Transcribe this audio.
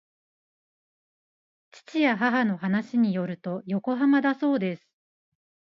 父や母の話によると横浜だそうです